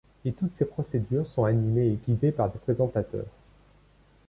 Et toutes ces procédures sont animées et guidées par des présentateurs.